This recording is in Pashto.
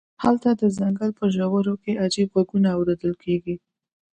هلته د ځنګل په ژورو کې عجیب غږونه اوریدل کیږي